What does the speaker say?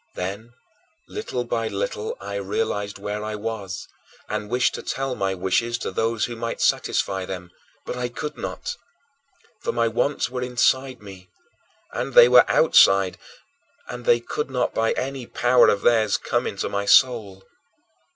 Then, little by little, I realized where I was and wished to tell my wishes to those who might satisfy them, but I could not! For my wants were inside me, and they were outside, and they could not by any power of theirs come into my soul.